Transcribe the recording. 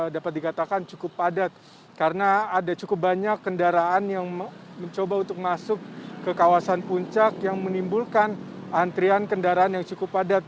dapat dikatakan cukup padat karena ada cukup banyak kendaraan yang mencoba untuk masuk ke kawasan puncak yang menimbulkan antrian kendaraan yang cukup padat